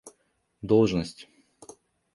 должность